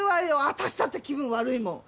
私だって気分悪いもん。